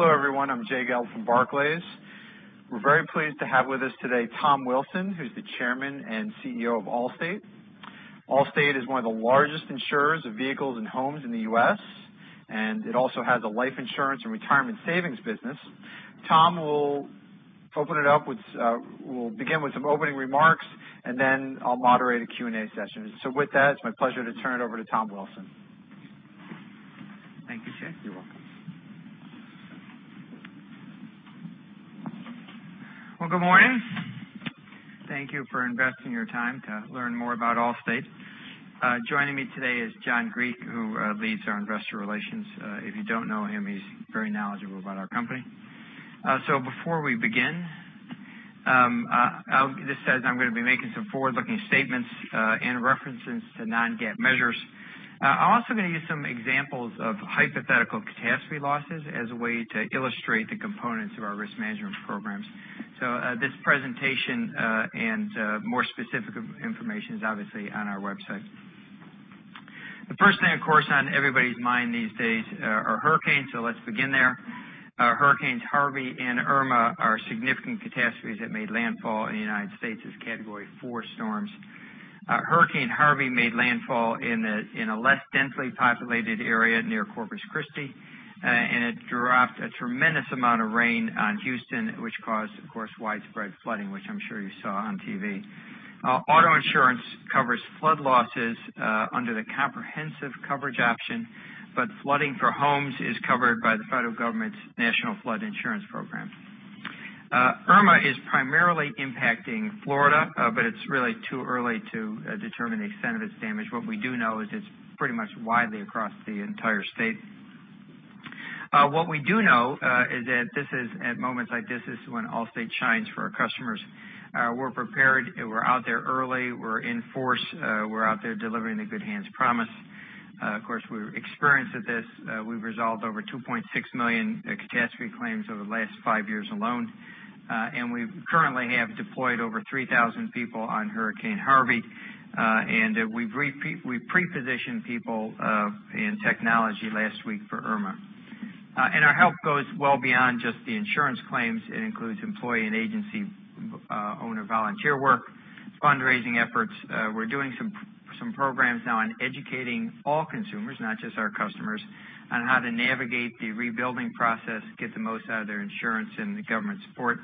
Hello, everyone. I'm Jay Goldberg from Barclays. We're very pleased to have with us today Tom Wilson, who's the Chairman and CEO of Allstate. Allstate is one of the largest insurers of vehicles and homes in the U.S., and it also has a life insurance and retirement savings business. Tom will begin with some opening remarks, and then I'll moderate a Q&A session. With that, it's my pleasure to turn it over to Tom Wilson. Thank you, Jay. You're welcome. Well, good morning. Thank you for investing your time to learn more about Allstate. Joining me today is John Greig, who leads our investor relations. If you don't know him, he's very knowledgeable about our company. Before we begin, this says I'm going to be making some forward-looking statements and references to non-GAAP measures. I'm also going to use some examples of hypothetical catastrophe losses as a way to illustrate the components of our risk management programs. This presentation, and more specific information, is obviously on our website. The first thing, of course, on everybody's mind these days are hurricanes, let's begin there. Hurricane Harvey and Hurricane Irma are significant catastrophes that made landfall in the United States as category 4 storms. Hurricane Harvey made landfall in a less densely populated area near Corpus Christi, and it dropped a tremendous amount of rain on Houston, which caused, of course, widespread flooding, which I'm sure you saw on TV. Auto insurance covers flood losses under the comprehensive coverage option, but flooding for homes is covered by the federal government's National Flood Insurance Program. Irma is primarily impacting Florida, but it's really too early to determine the extent of its damage. What we do know is it's pretty much widely across the entire state. What we do know is that at moments like this is when Allstate shines for our customers. We're prepared, we're out there early, we're in force, we're out there delivering the Good Hands promise. Of course, we're experienced at this. We've resolved over 2.6 million catastrophe claims over the last five years alone. We currently have deployed over 3,000 people on Hurricane Harvey, and we pre-positioned people and technology last week for Irma. Our help goes well beyond just the insurance claims. It includes employee and agency owner volunteer work, fundraising efforts. We're doing some programs now on educating all consumers, not just our customers, on how to navigate the rebuilding process, get the most out of their insurance and the government support,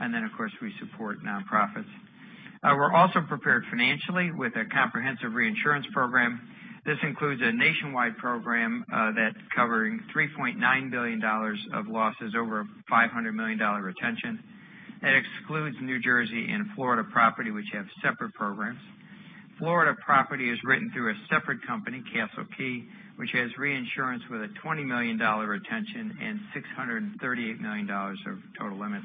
and then, of course, we support nonprofits. We're also prepared financially with a comprehensive reinsurance program. This includes a nationwide program that's covering $3.9 billion of losses over a $500 million retention. That excludes New Jersey and Florida property, which have separate programs. Florida property is written through a separate company, Castle Key, which has reinsurance with a $20 million retention and $638 million of total limits.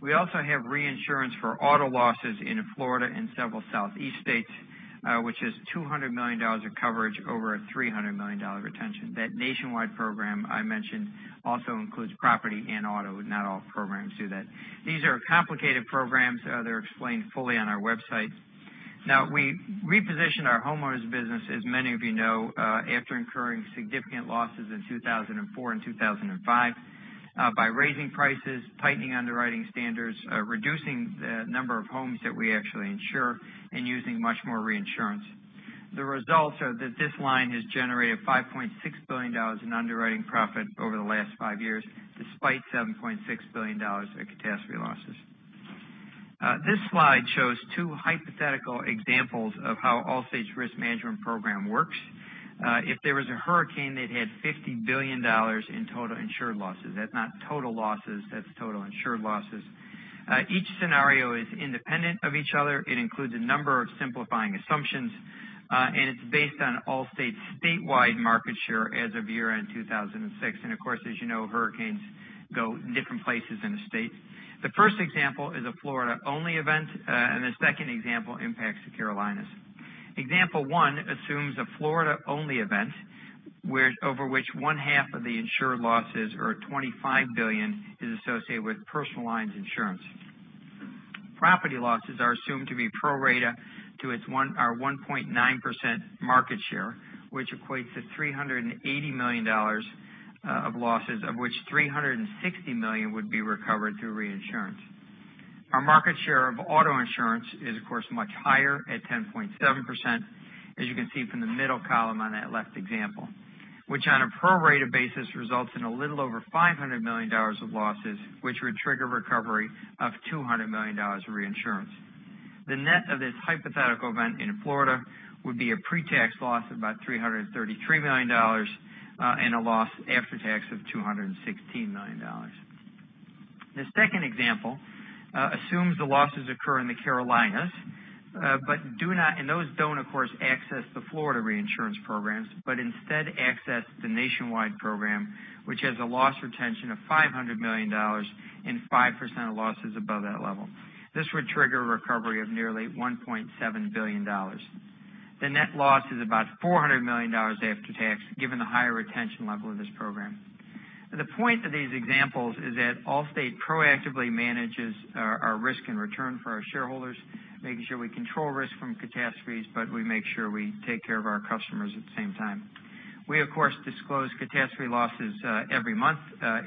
We also have reinsurance for auto losses in Florida and several Southeast states, which is $200 million of coverage over a $300 million retention. That nationwide program I mentioned also includes property and auto, not all programs do that. These are complicated programs. They're explained fully on our website. We repositioned our homeowners business, as many of you know, after incurring significant losses in 2004 and 2005, by raising prices, tightening underwriting standards, reducing the number of homes that we actually insure, and using much more reinsurance. The results are that this line has generated $5.6 billion in underwriting profit over the last five years, despite $7.6 billion of catastrophe losses. This slide shows two hypothetical examples of how Allstate's risk management program works. If there was a hurricane that had $50 billion in total insured losses, that's not total losses, that's total insured losses. Each scenario is independent of each other. It includes a number of simplifying assumptions, and it's based on Allstate's statewide market share as of year-end 2006. Of course, as you know, hurricanes go in different places in the states. The first example is a Florida-only event, and the second example impacts the Carolinas. Example one assumes a Florida-only event, over which one half of the insured losses, or $25 billion, is associated with personal lines insurance. Property losses are assumed to be pro rata to our 1.9% market share, which equates to $380 million of losses, of which $360 million would be recovered through reinsurance. Our market share of auto insurance is, of course, much higher at 10.7%, as you can see from the middle column on that left example, which on a pro rata basis results in a little over $500 million of losses, which would trigger recovery of $200 million of reinsurance. The net of this hypothetical event in Florida would be a pre-tax loss of about $333 million and a loss after tax of $216 million. The second example assumes the losses occur in the Carolinas. Those don't, of course, access the Florida reinsurance programs, but instead access the nationwide program, which has a loss retention of $500 million and 5% of losses above that level. This would trigger a recovery of nearly $1.7 billion. The net loss is about $400 million after tax, given the higher retention level of this program. The point of these examples is that Allstate proactively manages our risk and return for our shareholders, making sure we control risk from catastrophes. We make sure we take care of our customers at the same time. We, of course, disclose catastrophe losses every month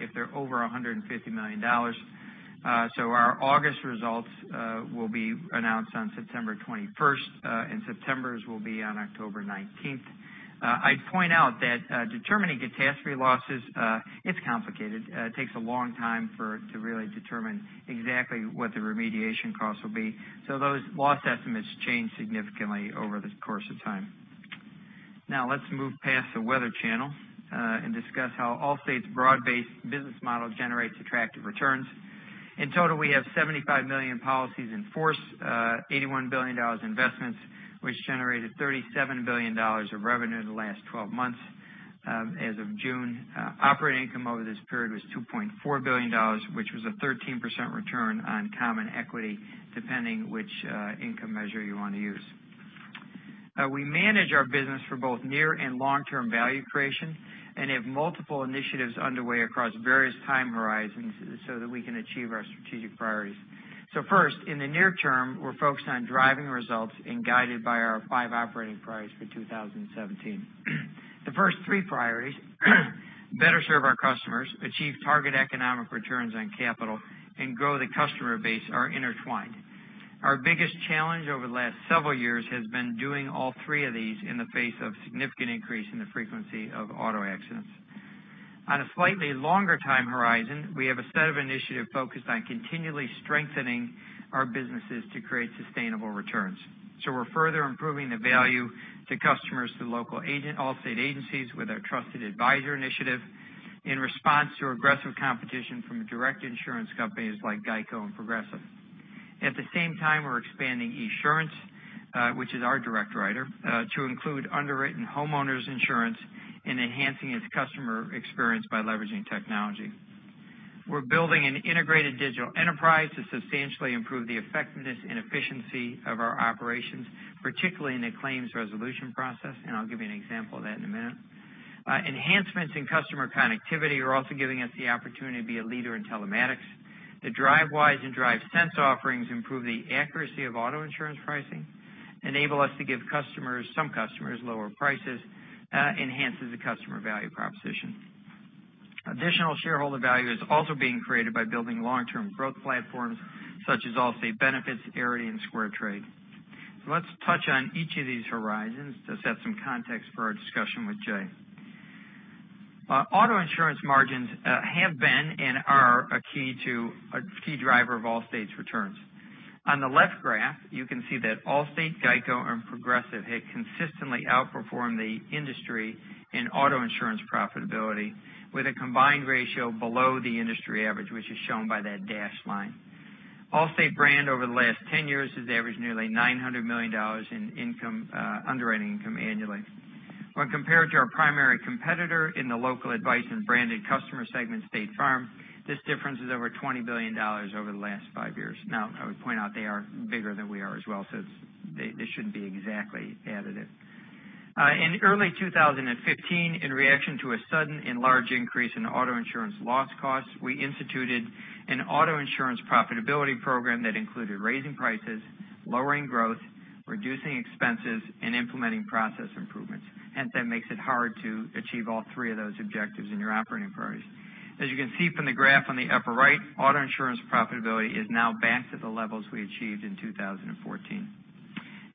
if they're over $150 million. Our August results will be announced on September 21st, and September's will be on October 19th. I'd point out that determining catastrophe losses is complicated. It takes a long time to really determine exactly what the remediation costs will be. Those loss estimates change significantly over the course of time. Let's move past the weather channel and discuss how Allstate's broad-based business model generates attractive returns. In total, we have 75 million policies in force, $81 billion in investments, which generated $37 billion of revenue in the last 12 months as of June. Operating income over this period was $2.4 billion, which was a 13% return on common equity, depending which income measure you want to use. We manage our business for both near and long-term value creation and have multiple initiatives underway across various time horizons so that we can achieve our strategic priorities. First, in the near term, we're focused on driving results and guided by our 5 operating priorities for 2017. The first 3 priorities, better serve our customers, achieve target economic returns on capital, and grow the customer base are intertwined. Our biggest challenge over the last several years has been doing all 3 of these in the face of significant increase in the frequency of auto accidents. On a slightly longer time horizon, we have a set of initiatives focused on continually strengthening our businesses to create sustainable returns. We're further improving the value to customers through local Allstate agencies with our Trusted Advisor initiative in response to aggressive competition from direct insurance companies like GEICO and Progressive. At the same time, we're expanding Esurance, which is our direct writer, to include underwritten homeowners insurance and enhancing its customer experience by leveraging technology. We're building an integrated digital enterprise to substantially improve the effectiveness and efficiency of our operations, particularly in the claims resolution process. I'll give you an example of that in a minute. Enhancements in customer connectivity are also giving us the opportunity to be a leader in telematics. The Drivewise and DriveSense offerings improve the accuracy of auto insurance pricing, enable us to give some customers lower prices, enhances the customer value proposition. Additional shareholder value is also being created by building long-term growth platforms such as Allstate Benefits, Arity, and SquareTrade. Let's touch on each of these horizons to set some context for our discussion with Jay. Auto insurance margins have been and are a key driver of Allstate's returns. On the left graph, you can see that Allstate, GEICO, and Progressive have consistently outperformed the industry in auto insurance profitability with a combined ratio below the industry average, which is shown by that dashed line. Allstate brand over the last 10 years has averaged nearly $900 million in underwriting income annually. When compared to our primary competitor in the local advice and branded customer segment, State Farm, this difference is over $20 billion over the last five years. I would point out they are bigger than we are as well, they shouldn't be exactly additive. In early 2015, in reaction to a sudden and large increase in auto insurance loss costs, we instituted an auto insurance profitability program that included raising prices, lowering growth, reducing expenses, and implementing process improvements. That makes it hard to achieve all three of those objectives in your operating priorities. As you can see from the graph on the upper right, auto insurance profitability is now back to the levels we achieved in 2014.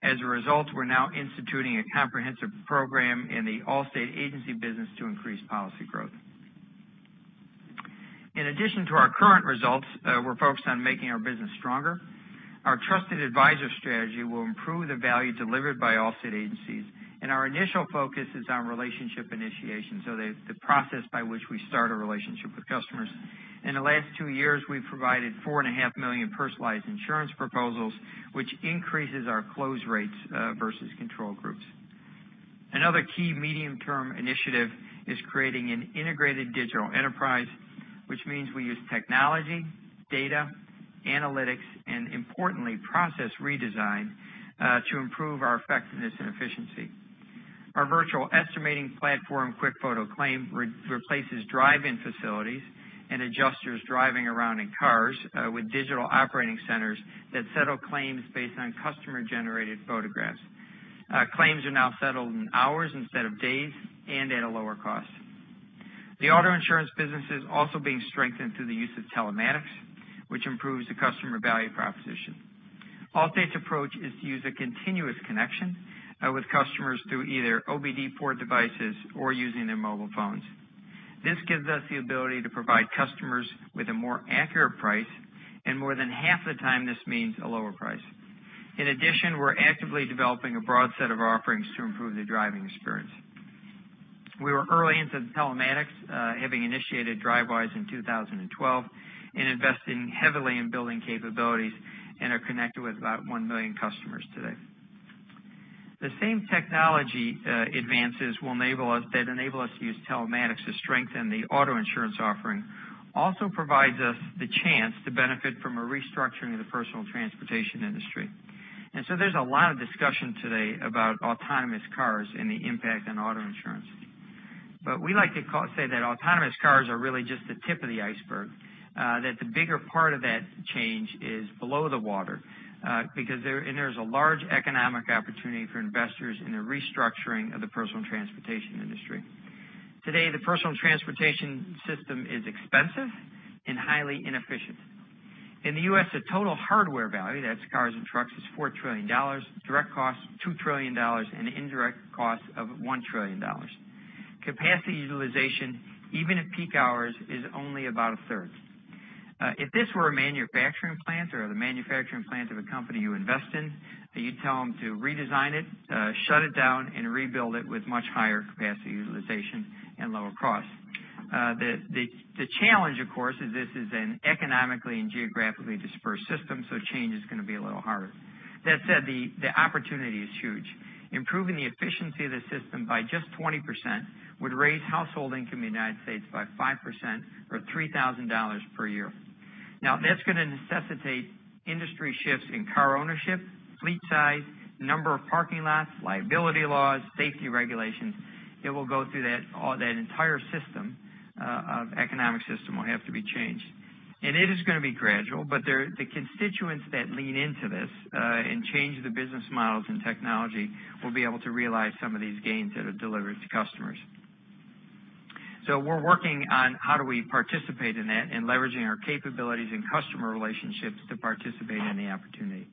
As a result, we're now instituting a comprehensive program in the Allstate agency business to increase policy growth. In addition to our current results, we're focused on making our business stronger. Our Trusted Advisor strategy will improve the value delivered by Allstate agencies, and our initial focus is on relationship initiation, so the process by which we start a relationship with customers. In the last two years, we've provided four and a half million personalized insurance proposals, which increases our close rates versus control groups. Another key medium-term initiative is creating an integrated digital enterprise, which means we use technology, data, analytics, and importantly, process redesign to improve our effectiveness and efficiency. Our virtual estimating platform, QuickFoto Claim, replaces drive-in facilities and adjusters driving around in cars with digital operating centers that settle claims based on customer-generated photographs. Claims are now settled in hours instead of days and at a lower cost. The auto insurance business is also being strengthened through the use of telematics, which improves the customer value proposition. Allstate's approach is to use a continuous connection with customers through either OBD port devices or using their mobile phones. This gives us the ability to provide customers with a more accurate price, and more than half the time, this means a lower price. In addition, we're actively developing a broad set of offerings to improve the driving experience. We were early into telematics, having initiated Drivewise in 2012 and investing heavily in building capabilities and are connected with about one million customers today. The same technology advances that enable us to use telematics to strengthen the auto insurance offering also provides us the chance to benefit from a restructuring of the personal transportation industry. There's a lot of discussion today about autonomous cars and the impact on auto insurance. We like to say that autonomous cars are really just the tip of the iceberg, that the bigger part of that change is below the water, and there's a large economic opportunity for investors in the restructuring of the personal transportation industry. Today, the personal transportation system is expensive and highly inefficient. In the U.S., the total hardware value, that's cars and trucks, is $4 trillion. Direct cost, $2 trillion, and indirect cost of $1 trillion. Capacity utilization, even at peak hours, is only about a third. If this were a manufacturing plant or the manufacturing plant of a company you invest in, you'd tell them to redesign it, shut it down, and rebuild it with much higher capacity utilization and lower cost. The challenge, of course, is this is an economically and geographically dispersed system, so change is going to be a little harder. That said, the opportunity is huge. Improving the efficiency of the system by just 20% would raise household income in the United States by 5% or $3,000 per year. That's going to necessitate industry shifts in car ownership, fleet size, number of parking lots, liability laws, safety regulations. It will go through that entire system of economic system will have to be changed. And it is going to be gradual, but the constituents that lean into this and change the business models and technology will be able to realize some of these gains that are delivered to customers. So we're working on how do we participate in that and leveraging our capabilities and customer relationships to participate in the opportunity.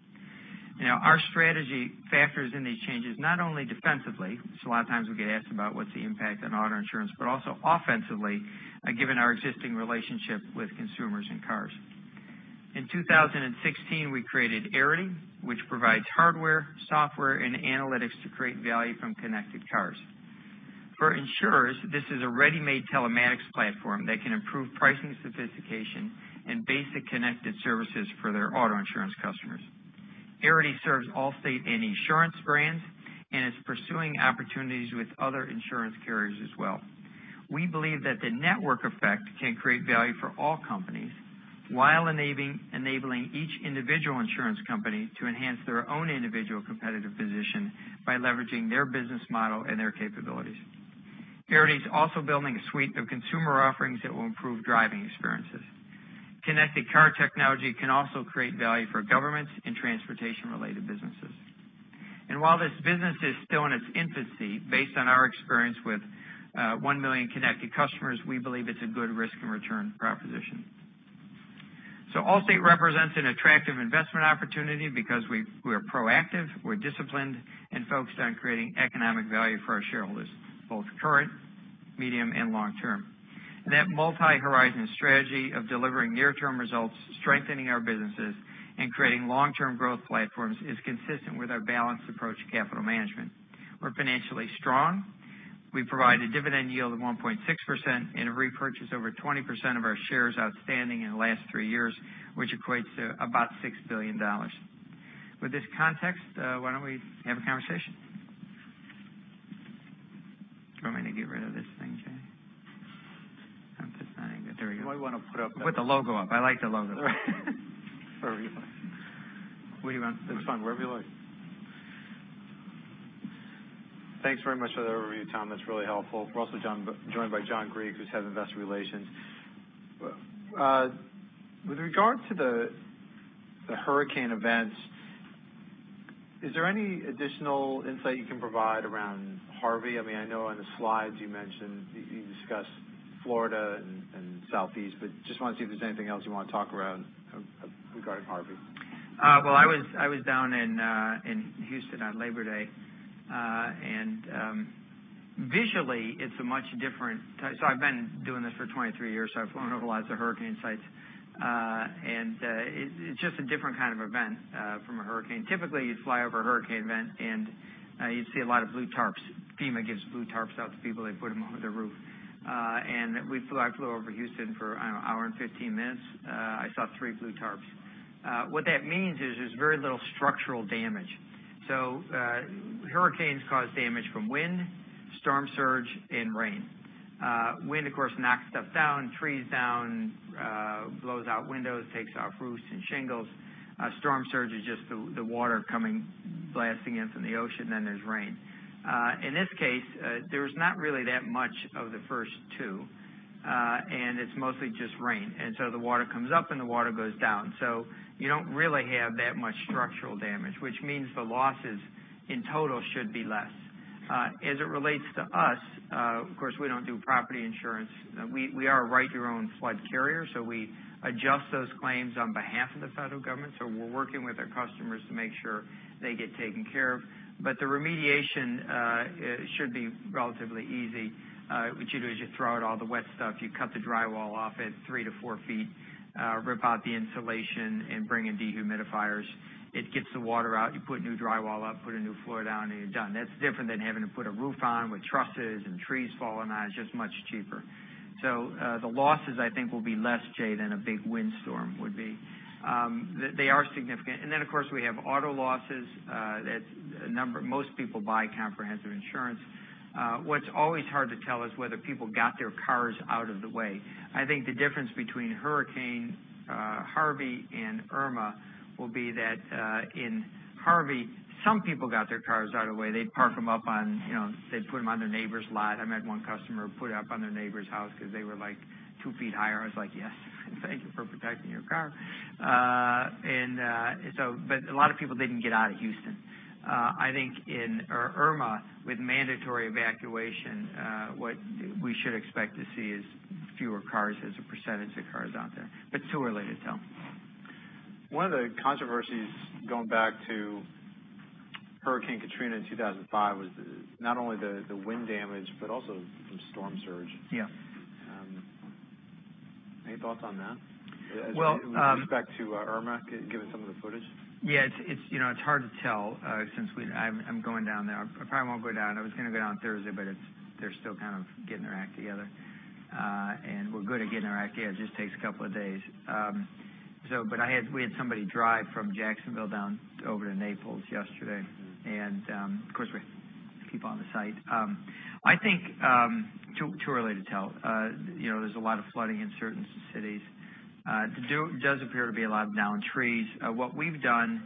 Our strategy factors in these changes, not only defensively, so a lot of times we get asked about what's the impact on auto insurance, but also offensively, given our existing relationship with consumers and cars. In 2016, we created Arity, which provides hardware, software, and analytics to create value from connected cars. For insurers, this is a ready-made telematics platform that can improve pricing sophistication and basic connected services for their auto insurance customers. Arity serves Allstate and Esurance brands and is pursuing opportunities with other insurance carriers as well. We believe that the network effect can create value for all companies while enabling each individual insurance company to enhance their own individual competitive position by leveraging their business model and their capabilities. Arity is also building a suite of consumer offerings that will improve driving experiences. Connected car technology can also create value for governments and transportation-related businesses. While this business is still in its infancy, based on our experience with 1 million connected customers, we believe it's a good risk and return proposition. So Allstate represents an attractive investment opportunity because we're proactive, we're disciplined, and focused on creating economic value for our shareholders, both current, medium, and long-term. That multi-horizon strategy of delivering near-term results, strengthening our businesses, and creating long-term growth platforms is consistent with our balanced approach to capital management. We're financially strong. We provide a dividend yield of 1.6% and have repurchased over 20% of our shares outstanding in the last three years, which equates to about $6 billion. With this context, why don't we have a conversation? Do you want me to get rid of this thing, Jay? You might want to put up the. With the logo up. I like the logo. There we go. Where do you want? That's fine wherever you like. Thanks very much for the overview, Tom. That's really helpful. We're also joined by John Greig, who's Head of Investor Relations. With regard to the hurricane events, is there any additional insight you can provide around Harvey? I know on the slides you mentioned, you discussed Florida and Southeast, but just want to see if there's anything else you want to talk regarding Harvey. I was down in Houston on Labor Day, visually it's a much different. I've been doing this for 23 years, I've flown over lots of hurricane sites. It's just a different kind of event from a hurricane. Typically, you'd fly over a hurricane event, and you'd see a lot of blue tarps. FEMA gives blue tarps out to people, they put them on their roof. I flew over Houston for an hour and 15 minutes. I saw three blue tarps. What that means is there's very little structural damage. Hurricanes cause damage from wind, storm surge, and rain. Wind, of course, knocks stuff down, trees down, blows out windows, takes off roofs and shingles. A storm surge is just the water coming blasting in from the ocean, there's rain. In this case, there's not really that much of the first two. It's mostly just rain, the water comes up and the water goes down. You don't really have that much structural damage, which means the losses in total should be less. As it relates to us, of course, we don't do property insurance. We are a Write Your Own flood carrier, we adjust those claims on behalf of the federal government. We're working with our customers to make sure they get taken care of. The remediation should be relatively easy. What you do is you throw out all the wet stuff. You cut the drywall off at three to four feet, rip out the insulation, bring in dehumidifiers. It gets the water out, you put new drywall up, put a new floor down, you're done. That's different than having to put a roof on with trusses and trees falling on. It's just much cheaper. The losses, I think, will be less, Jay, than a big windstorm would be. They are significant. Then, of course, we have auto losses. Most people buy comprehensive insurance. What's always hard to tell is whether people got their cars out of the way. I think the difference between Hurricane Harvey and Irma will be that in Harvey, some people got their cars out of the way. They'd park them up on, they'd put them on their neighbor's lot. I met one customer who put it up on their neighbor's house because they were two feet higher. I was like, "Yes, thank you for protecting your car." A lot of people didn't get out of Houston. I think in Irma, with mandatory evacuation, what we should expect to see is fewer cars as a percentage of cars out there. It's too early to tell. One of the controversies going back to Hurricane Katrina in 2005 was not only the wind damage, but also the storm surge. Yeah. Any thoughts on that? Well- With respect to Irma, given some of the footage? Yeah. It's hard to tell since I'm going down there. I probably won't go down. I was going to go down Thursday, they're still kind of getting their act together. We're good at getting our act together, it just takes a couple of days. We had somebody drive from Jacksonville down over to Naples yesterday, and of course, we have people on the site. I think too early to tell. There's a lot of flooding in certain cities. There does appear to be a lot of downed trees. What we've done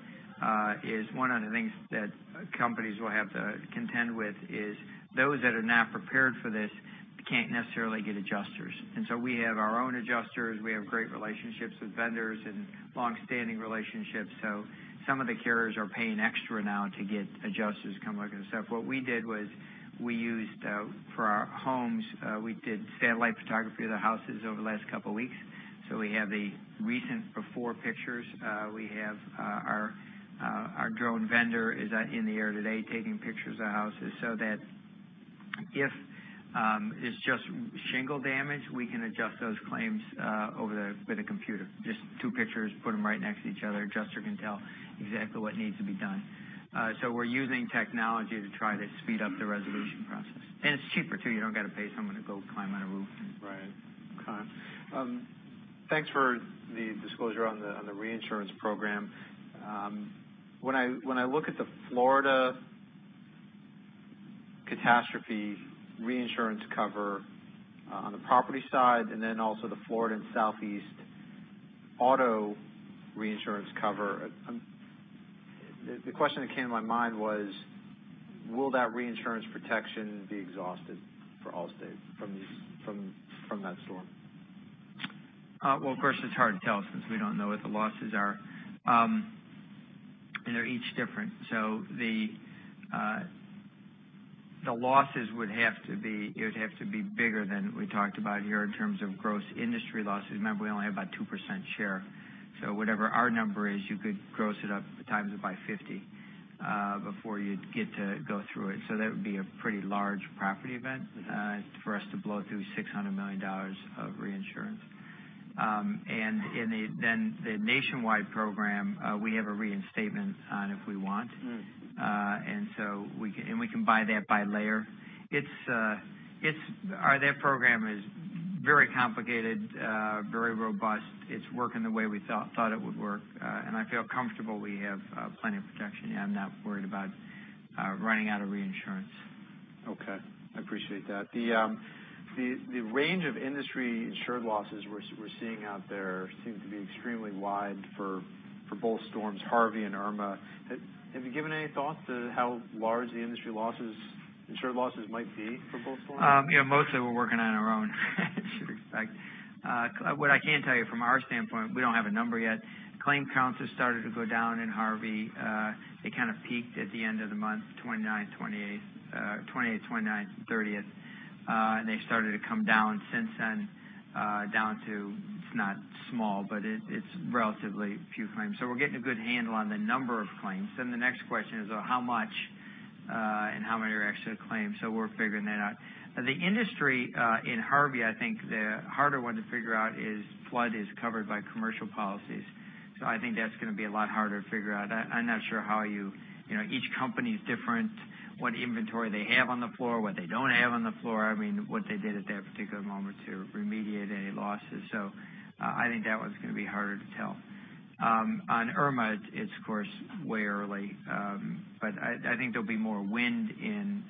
is one of the things that companies will have to contend with is those that are not prepared for this can't necessarily get adjusters. We have our own adjusters. We have great relationships with vendors and long-standing relationships. Some of the carriers are paying extra now to get adjusters to come look at the stuff. What we did was we used, for our homes, we did satellite photography of the houses over the last couple of weeks, so we have the recent before pictures. We have our drone vendor is out in the air today taking pictures of houses so that if it's just shingle damage, we can adjust those claims with a computer. Just two pictures, put them right next to each other, adjuster can tell exactly what needs to be done. We're using technology to try to speed up the resolution process. It's cheaper too. You don't got to pay someone to go climb on a roof. Right. Okay. Thanks for the disclosure on the reinsurance program. When I look at the Florida catastrophe reinsurance cover on the property side, and then also the Florida and Southeast auto reinsurance cover, the question that came to my mind was will that reinsurance protection be exhausted for Allstate from that storm? Of course, it's hard to tell since we don't know what the losses are. They're each different. The losses would have to be bigger than we talked about here in terms of gross industry losses. Remember, we only have about 2% share. Whatever our number is, you could gross it up, times it by 50 before you'd get to go through it. That would be a pretty large property event for us to blow through $600 million of reinsurance. In the nationwide program, we have a reinstatement on if we want. We can buy that by layer. That program is very complicated, very robust. It's working the way we thought it would work. I feel comfortable we have plenty of protection. I'm not worried about running out of reinsurance. Okay. I appreciate that. The range of industry insured losses we're seeing out there seem to be extremely wide for both storms, Hurricane Harvey and Hurricane Irma. Have you given any thought to how large the industry insured losses might be for both storms? Mostly we're working on our own, as you'd expect. What I can tell you from our standpoint, we don't have a number yet. Claim counts have started to go down in Hurricane Harvey. They kind of peaked at the end of the month, 28th, 29th, and 30th. They started to come down since then, down to, it's not small, but it's relatively few claims. We're getting a good handle on the number of claims. The next question is, well, how much, and how many are actually claims? We're figuring that out. The industry in Hurricane Harvey, I think the harder one to figure out is flood is covered by commercial policies. I think that's going to be a lot harder to figure out. I'm not sure each company's different, what inventory they have on the floor, what they don't have on the floor, what they did at that particular moment to remediate any losses. I think that one's going to be harder to tell. On Hurricane Irma, it's of course, way early. I think there'll be more wind and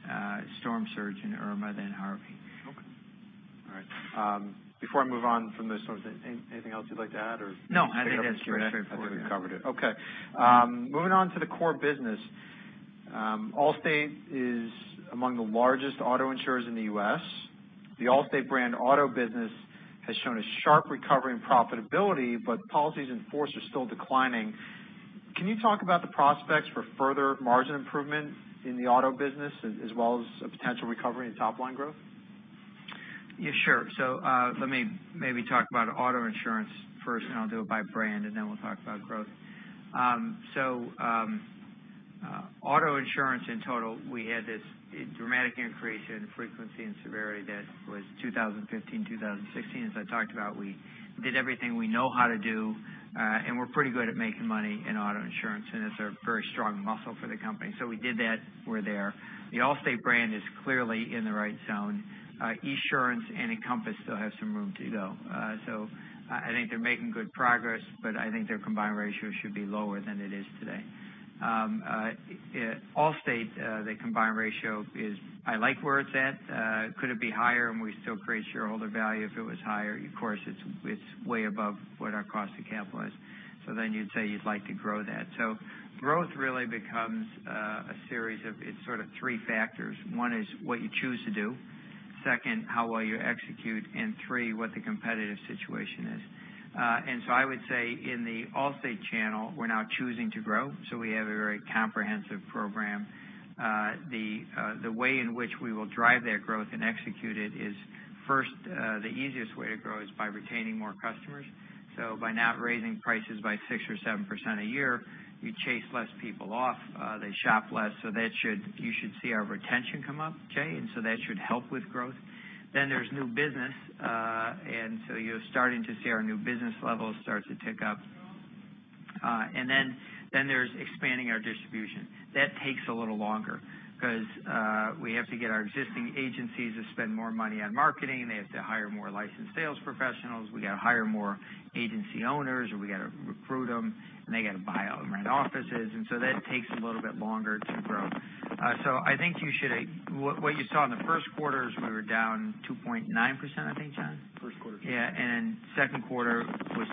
storm surge in Hurricane Irma than Hurricane Harvey. Okay. All right. Before I move on from this, anything else you'd like to add? No, I think that's pretty straightforward. I think we covered it. Okay. Moving on to the core business. Allstate is among the largest auto insurers in the U.S. The Allstate brand auto business has shown a sharp recovery in profitability, but policies in force are still declining. Can you talk about the prospects for further margin improvement in the auto business as well as a potential recovery in top-line growth? Yeah, sure. Let me maybe talk about auto insurance first, and I'll do it by brand, and then we'll talk about growth. Auto insurance in total, we had this dramatic increase in frequency and severity that was 2015, 2016. As I talked about, we did everything we know how to do, and we're pretty good at making money in auto insurance, and it's a very strong muscle for the company. We did that. We're there. The Allstate brand is clearly in the right zone. Esurance and Encompass still have some room to go. I think they're making good progress, but I think their combined ratio should be lower than it is today. Allstate, the combined ratio is, I like where it's at. Could it be higher, and we still create shareholder value if it was higher? Of course, it's way above what our cost of capital is. You'd say you'd like to grow that. Growth really becomes a series of, it's three factors. One is what you choose to do, second, how well you execute, and three, what the competitive situation is. I would say in the Allstate channel, we're now choosing to grow, so we have a very comprehensive program. The way in which we will drive that growth and execute it is, first, the easiest way to grow is by retaining more customers. By not raising prices by 6% or 7% a year, you chase less people off. They shop less. You should see our retention come up, Jay, that should help with growth. There's new business. You're starting to see our new business levels start to tick up. There's expanding our distribution. That takes a little longer because we have to get our existing agencies to spend more money on marketing, and they have to hire more licensed sales professionals. We got to hire more agency owners, or we got to recruit them, and they got to buy out and rent offices, that takes a little bit longer to grow. I think what you saw in the first quarter is we were down 2.9%, I think, John? First quarter. Yeah. Second quarter was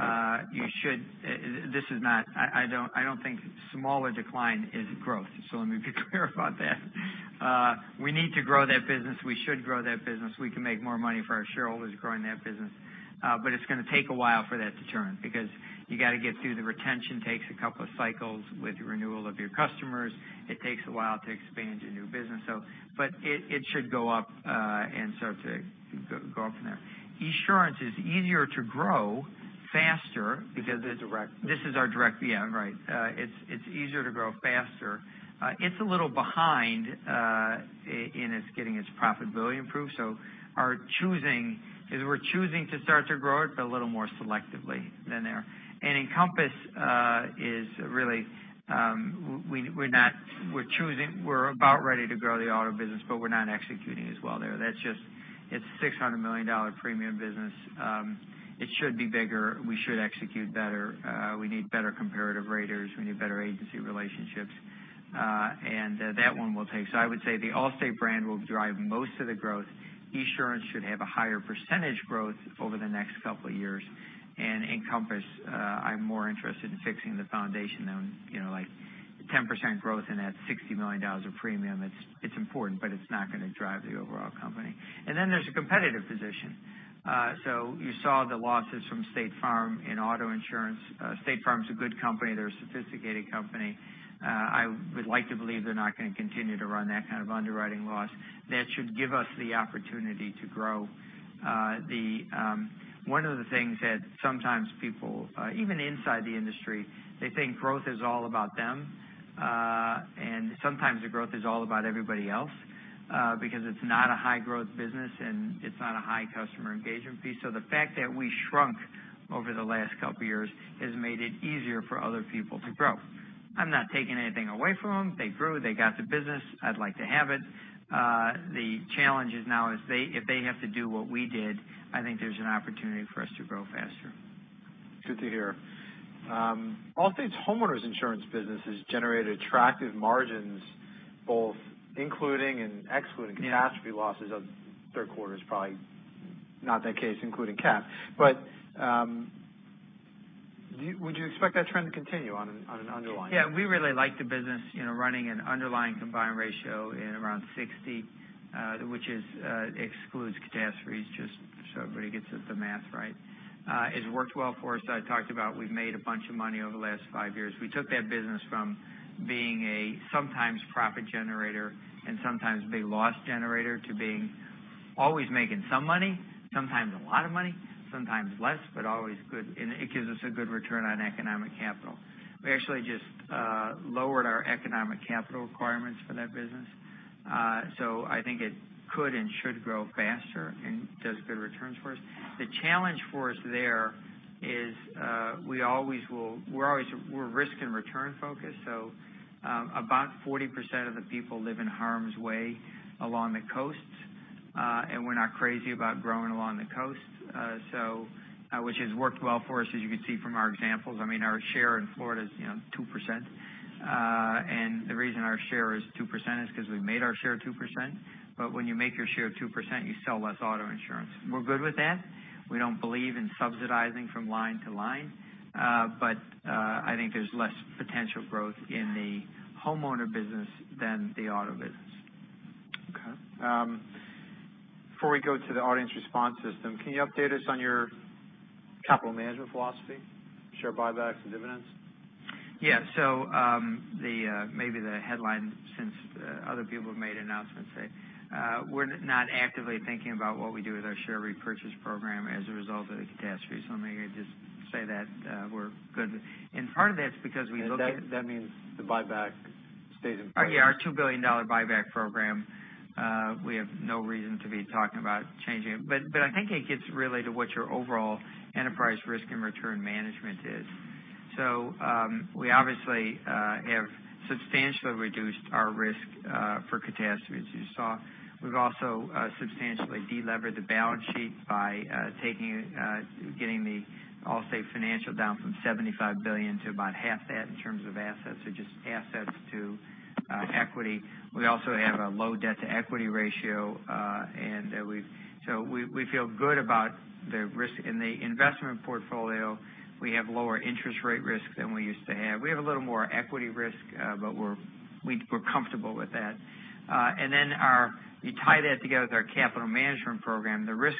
2.6%. I don't think smaller decline is growth, let me be clear about that. We need to grow that business. We should grow that business. We can make more money for our shareholders growing that business. It's going to take a while for that to turn, because you got to get through the retention takes a couple of cycles with the renewal of your customers. It takes a while to expand your new business. It should go up, and start to go up from there. Esurance is easier to grow faster because. The direct. This is our direct. Yeah, right. It's easier to grow faster. It's a little behind in its getting its profitability improved. We're choosing to start to grow it, but a little more selectively than there. Encompass, we're about ready to grow the auto business, but we're not executing as well there. It's a $600 million premium business. It should be bigger. We should execute better. We need better comparative raters. We need better agency relationships. That one will take. I would say the Allstate brand will drive most of the growth. Esurance should have a higher percentage growth over the next couple of years. Encompass, I'm more interested in fixing the foundation than 10% growth in that $60 million of premium. It's important, but it's not going to drive the overall company. Then there's the competitive position. You saw the losses from State Farm in auto insurance. State Farm's a good company. They're a sophisticated company. I would like to believe they're not going to continue to run that kind of underwriting loss. That should give us the opportunity to grow. One of the things that sometimes people, even inside the industry, they think growth is all about them. Sometimes the growth is all about everybody else, because it's not a high growth business, and it's not a high customer engagement piece. The fact that we shrunk over the last couple years has made it easier for other people to grow. I'm not taking anything away from them. They grew, they got the business. I'd like to have it. The challenge is now, if they have to do what we did, I think there's an opportunity for us to grow faster. Good to hear. Allstate's homeowners insurance business has generated attractive margins, both including and excluding. Yeah catastrophe losses of third quarter is probably not that case, including cat. Would you expect that trend to continue on an underlying? Yeah, we really like the business running an underlying combined ratio in around 60, which excludes catastrophes, just so everybody gets the math right. It's worked well for us. I talked about we've made a bunch of money over the last 5 years. We took that business from being a sometimes profit generator and sometimes big loss generator to being always making some money, sometimes a lot of money, sometimes less, but always good, and it gives us a good return on economic capital. We actually just lowered our economic capital requirements for that business. I think it could and should grow faster and does good returns for us. The challenge for us there is we're risk and return focused. About 40% of the people live in harm's way along the coasts, and we're not crazy about growing along the coast, which has worked well for us, as you can see from our examples. Our share in Florida is 2%, and the reason our share is 2% is because we've made our share 2%. When you make your share 2%, you sell less auto insurance. We're good with that. We don't believe in subsidizing from line to line. I think there's less potential growth in the homeowner business than the auto business. Okay. Before we go to the audience response system, can you update us on your capital management philosophy? Share buybacks and dividends? Yeah. Maybe the headline, since other people have made announcements, we're not actively thinking about what we do with our share repurchase program as a result of the catastrophe. Maybe I just say that we're good. Part of that is because we look at. That means the buyback stays in place. Yeah, our $2 billion buyback program, we have no reason to be talking about changing it. I think it gets really to what your overall enterprise risk and return management is. We obviously have substantially reduced our risk for catastrophes, as you saw. We've also substantially de-levered the balance sheet by getting the Allstate Financial down from $75 billion to about half that in terms of assets, so just assets to equity. We also have a low debt-to-equity ratio. We feel good about the risk in the investment portfolio. We have lower interest rate risk than we used to have. We have a little more equity risk, we're comfortable with that. You tie that together with our capital management program, the risk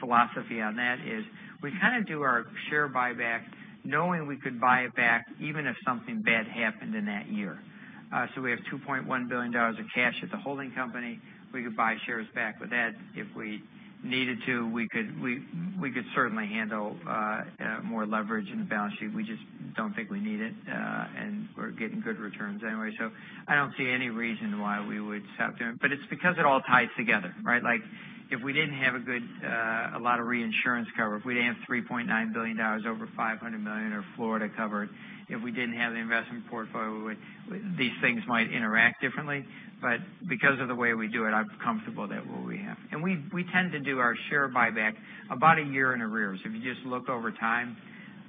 philosophy on that is we kind of do our share buyback knowing we could buy it back even if something bad happened in that year. We have $2.1 billion of cash at the holding company. We could buy shares back with that if we needed to. We could certainly handle more leverage in the balance sheet. We just don't think we need it. We're getting good returns anyway. I don't see any reason why we would stop doing it. It's because it all ties together, right? If we didn't have a lot of reinsurance cover, if we didn't have $3.9 billion, over $500 million of Florida covered, if we didn't have the investment portfolio, these things might interact differently. Because of the way we do it, I'm comfortable that what we have. We tend to do our share buyback about one year in arrears. If you just look over time,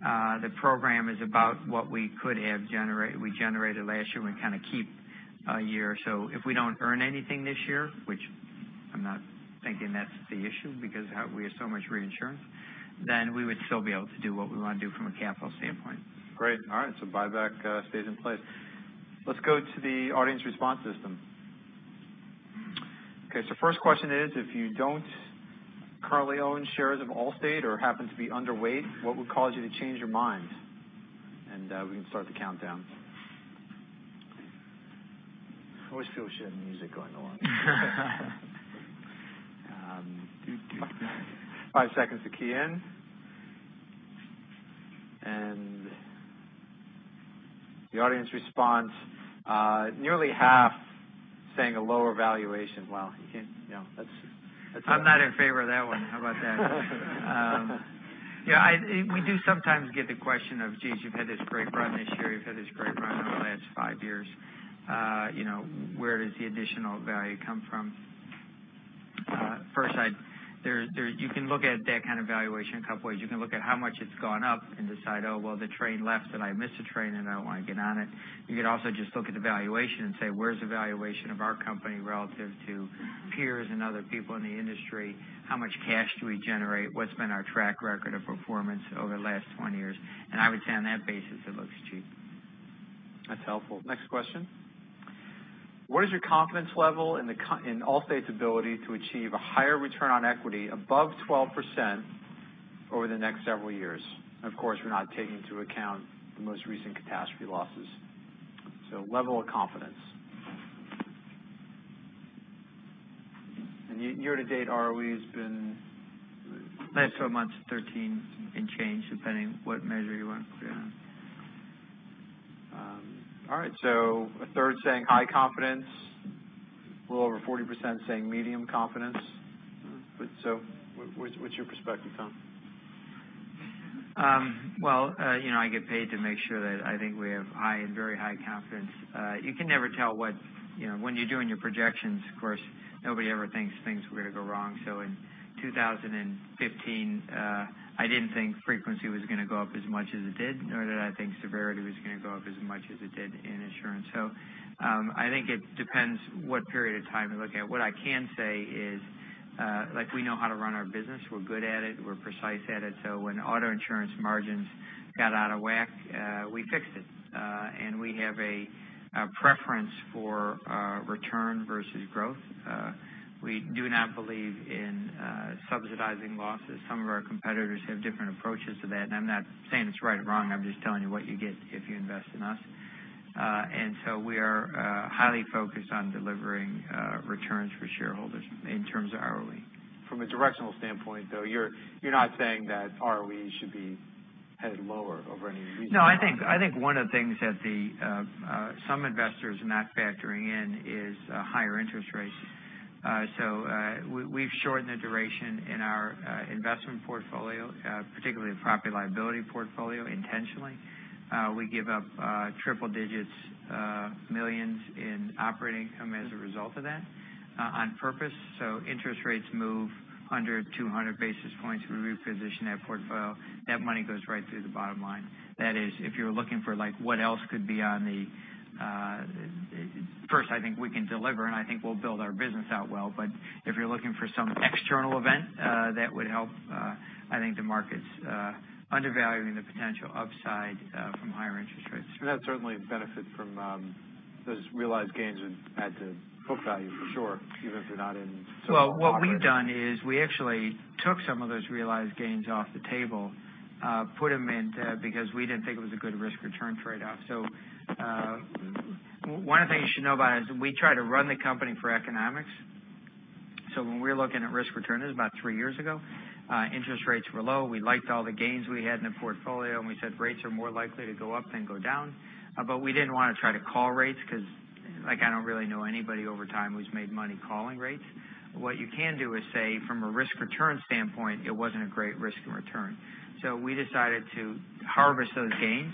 the program is about what we could have generated. We generated last year, we kind of keep one year. If we don't earn anything this year, which I'm not thinking that's the issue because we have so much reinsurance, we would still be able to do what we want to do from a capital standpoint. Great. All right. Buyback stays in place. Let's go to the audience response system. Okay, first question is, if you don't currently own shares of Allstate or happen to be underweight, what would cause you to change your mind? We can start the countdown. I always feel we should have music going along. five seconds to key in. The audience response, nearly half saying a lower valuation. Wow. I'm not in favor of that one. How about that? Yeah, we do sometimes get the question of, geez, you've had this great run this year, you've had this great run over the last five years. Where does the additional value come from? First, you can look at that kind of valuation a couple ways. You can look at how much it's gone up and decide, oh, well, the train left, and I missed the train, and I want to get on it. You could also just look at the valuation and say, where's the valuation of our company relative to peers and other people in the industry? How much cash do we generate? What's been our track record of performance over the last 20 years? I would say on that basis, it looks cheap. That's helpful. Next question. What is your confidence level in Allstate's ability to achieve a higher return on equity above 12% over the next several years? Of course, we're not taking into account the most recent catastrophe losses. Level of confidence. Year to date, ROE has been. Last 12 months, 13 and change, depending what measure you want to put it on. All right. A third saying high confidence, a little over 40% saying medium confidence. What's your perspective, Tom? Well, I get paid to make sure that I think we have high and very high confidence. You can never tell what, when you're doing your projections, of course, nobody ever thinks things are going to go wrong. In 2015, I didn't think frequency was going to go up as much as it did, nor did I think severity was going to go up as much as it did in insurance. I think it depends what period of time you look at. What I can say is we know how to run our business. We're good at it. We're precise at it. When auto insurance margins got out of whack, we fixed it. We have a preference for return versus growth. We do not believe in subsidizing losses. Some of our competitors have different approaches to that, and I'm not saying it's right or wrong, I'm just telling you what you get if you invest in us. We are highly focused on delivering returns for shareholders in terms of ROE. From a directional standpoint, though, you're not saying that ROE should be headed lower over any reasonable- No, I think one of the things that some investors are not factoring in is higher interest rates. We've shortened the duration in our investment portfolio, particularly the property liability portfolio, intentionally. We give up triple digits, millions in operating income as a result of that on purpose. Interest rates move 100, 200 basis points. We reposition that portfolio, that money goes right through the bottom line. That is, if you're looking for what else could be on the, first, I think we can deliver, and I think we'll build our business out well. If you're looking for some external event that would help, I think the market's undervaluing the potential upside from higher interest rates. That certainly benefit from those realized gains would add to book value for sure, even if you're not. Well, what we've done is we actually took some of those realized gains off the table, put them into, because we didn't think it was a good risk return trade-off. One of the things you should know about is we try to run the company for economics. When we're looking at risk return, it was about three years ago, interest rates were low. We liked all the gains we had in the portfolio, we said rates are more likely to go up than go down. We didn't want to try to call rates because I don't really know anybody over time who's made money calling rates. What you can do is say, from a risk return standpoint, it wasn't a great risk in return. We decided to harvest those gains,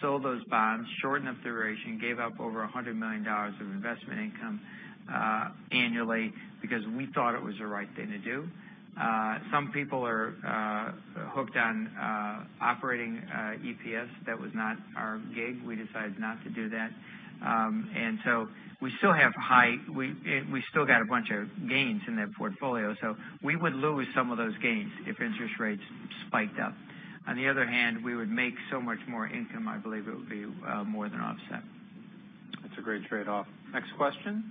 sold those bonds, shortened up the duration, gave up over $100 million of investment income annually because we thought it was the right thing to do. Some people are hooked on operating EPS. That was not our gig. We decided not to do that. We still got a bunch of gains in that portfolio, we would lose some of those gains if interest rates spiked up. On the other hand, we would make so much more income, I believe it would be more than offset. That's a great trade-off. Next question.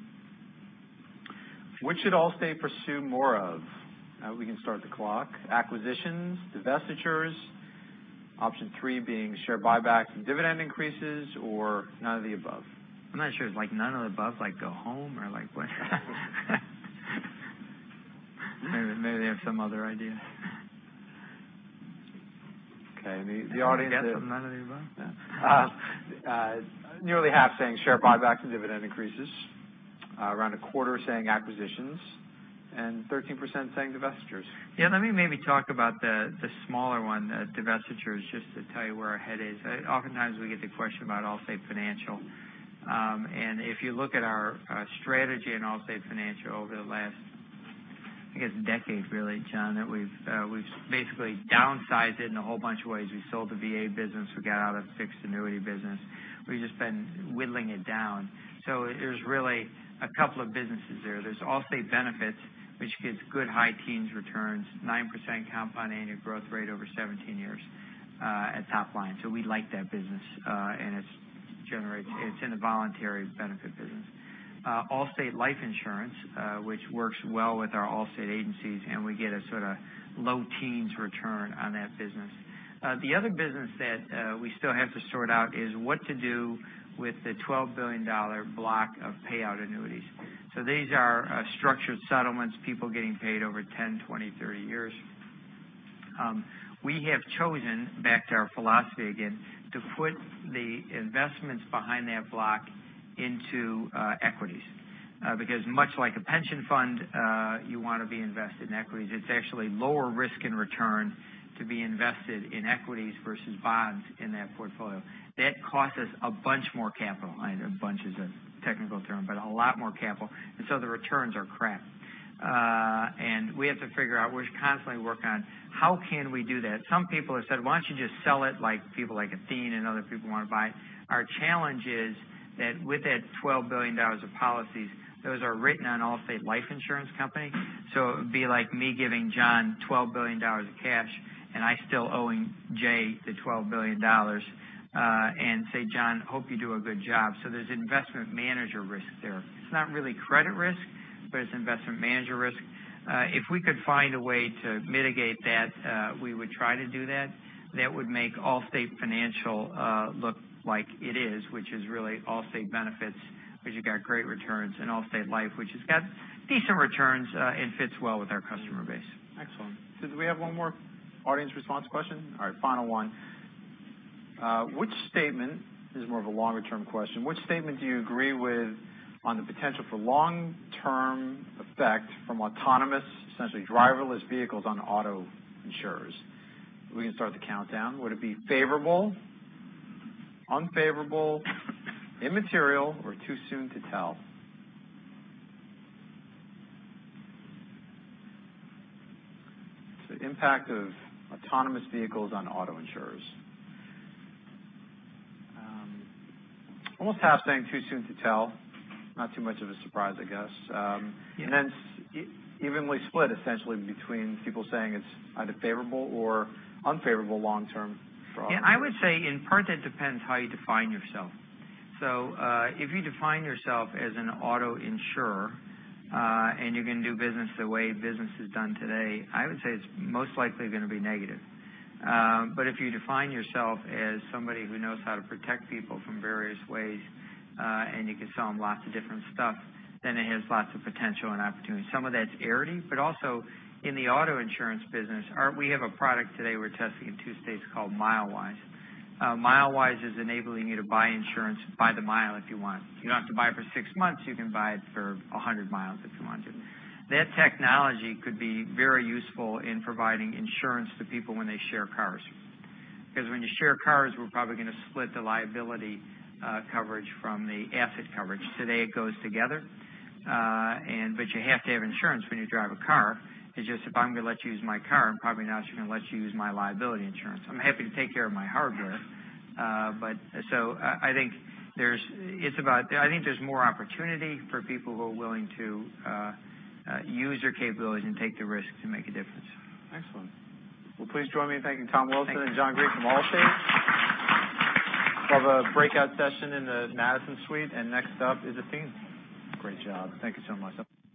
What should Allstate pursue more of? We can start the clock. Acquisitions, divestitures, option 3 being share buybacks and dividend increases, none of the above. I'm not sure. Is none of the above like go home or what? Maybe they have some other idea. Okay. The audience- I guess none of the above. Yeah. Nearly half saying share buybacks and dividend increases, around a quarter saying acquisitions, and 13% saying divestitures. Yeah, let me maybe talk about the smaller one, divestitures, just to tell you where our head is. Oftentimes, we get the question about Allstate Financial. If you look at our strategy in Allstate Financial over the last, I guess, decade really, John, that we've basically downsized it in a whole bunch of ways. We sold the VA business. We got out of the fixed annuity business. We've just been whittling it down. There's really a couple of businesses there. There's Allstate Benefits, which gives good high teens returns, 9% compound annual growth rate over 17 years at top line. We like that business. It's in the voluntary benefit business. Allstate Life Insurance, which works well with our Allstate agencies, and we get a sort of low teens return on that business. The other business that we still have to sort out is what to do with the $12 billion block of payout annuities. These are structured settlements, people getting paid over 10, 20, 30 years. We have chosen, back to our philosophy again, to put the investments behind that block into equities. Because much like a pension fund, you want to be invested in equities. It's actually lower risk in return to be invested in equities versus bonds in that portfolio. That costs us a bunch more capital. I know a bunch is a technical term, but a lot more capital. The returns are crap. We have to figure out, we're constantly working on how can we do that? Some people have said, "Why don't you just sell it? People like Athene and other people want to buy it." Our challenge is that with that $12 billion of policies, those are written on Allstate Life Insurance Company. It would be like me giving John $12 billion of cash, and I still owing Jay the $12 billion, and say, "John, hope you do a good job." There's investment manager risk there. It's not really credit risk, but it's investment manager risk. If we could find a way to mitigate that, we would try to do that. That would make Allstate Financial look like it is, which is really Allstate Benefits, because you've got great returns in Allstate Life, which has got decent returns, and fits well with our customer base. Excellent. Do we have one more audience response question? All right. Final one. This is more of a longer-term question. Which statement do you agree with on the potential for long-term effect from autonomous, essentially driverless vehicles on auto insurers? We can start the countdown. Would it be favorable, unfavorable, immaterial, or too soon to tell? The impact of autonomous vehicles on auto insurers. Almost half saying too soon to tell. Not too much of a surprise, I guess. Yeah. evenly split, essentially, between people saying it's either favorable or unfavorable long term for auto insurers. I would say, in part, that depends how you define yourself. If you define yourself as an auto insurer, and you're going to do business the way business is done today, I would say it's most likely going to be negative. If you define yourself as somebody who knows how to protect people from various ways, and you can sell them lots of different stuff, it has lots of potential and opportunity. Some of that's Arity, but also in the auto insurance business, we have a product today we're testing in two states called Milewise. Milewise is enabling you to buy insurance by the mile if you want. You don't have to buy for six months, you can buy it for 100 miles if you wanted to. That technology could be very useful in providing insurance to people when they share cars. When you share cars, we're probably going to split the liability coverage from the asset coverage. Today, it goes together. You have to have insurance when you drive a car. If I'm going to let you use my car, I'm probably not going to let you use my liability insurance. I'm happy to take care of my hardware. I think there's more opportunity for people who are willing to use their capabilities and take the risk to make a difference. Excellent. Well, please join me in thanking Tom Wilson and John Greig from Allstate. We'll have a breakout session in the Madison Suite. Next up is Athene. Great job. Thank you so much.